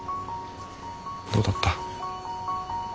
どうだった？